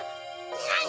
なに？